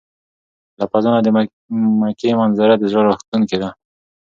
له فضا د مکې منظره د زړه راښکونکې ده.